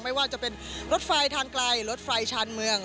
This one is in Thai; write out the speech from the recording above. ไม่ว่าจะเป็นรถไฟทางไกลรถไฟชาญเมือง